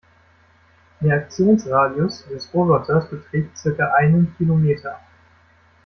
Der Aktionsradius des Roboters beträgt circa einen Kilometer.